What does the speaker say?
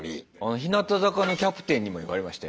日向坂のキャプテンにも言われましたよ